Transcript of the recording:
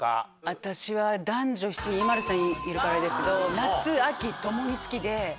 私は『男女７人』ＩＭＡＬＵさんいるからあれですけど『夏』『秋』共に好きで。